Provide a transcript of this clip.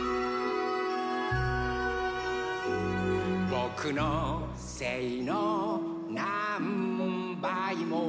「ぼくのせいのなんばいも」